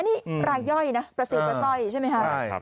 นี่รายย่อยนะประสิทธิ์ประสร้อยใช่ไหมครับ